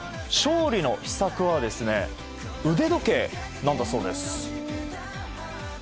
勝利の秘策はですね、腕時計なんだそうです。